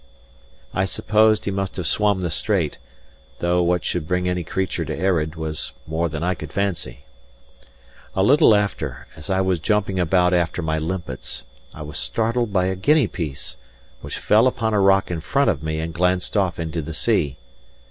I supposed he must have swum the strait; though what should bring any creature to Earraid, was more than I could fancy. A little after, as I was jumping about after my limpets, I was startled by a guinea piece, which fell upon a rock in front of me and glanced off into the sea.